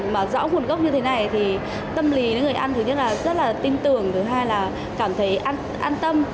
mà rõ nguồn gốc như thế này thì tâm lý người ăn thứ nhất là rất là tin tưởng thứ hai là cảm thấy an tâm